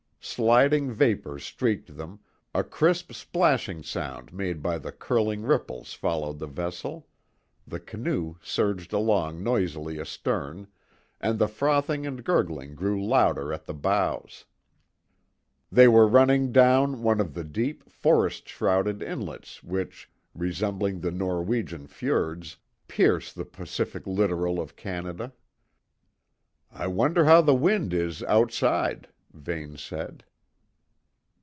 Sliding vapours streaked them, a crisp splashing sound made by the curling ripples followed the vessel; the canoe surged along noisily astern, and the frothing and gurgling grew louder at the bows. They were running down one of the deep, forest shrouded inlets which, resembling the Norwegian fiords, pierce the Pacific littoral of Canada. "I wonder how the wind is outside," Vane said.